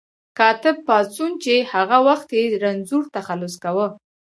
کاتب پاڅون چې هغه وخت یې رنځور تخلص کاوه.